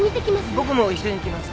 僕も一緒に行きます。